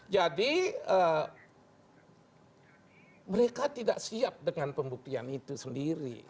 jadi mereka tidak siap dengan pembuktian itu sendiri